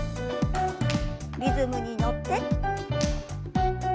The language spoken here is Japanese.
リズムに乗って。